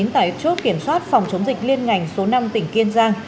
tại chốt kiểm soát phòng chống dịch liên ngành số năm tỉnh kiên giang